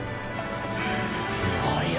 すごいよ。